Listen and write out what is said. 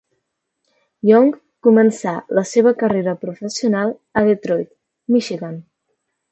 Young començà la seva carrera professional a Detroit, Michigan.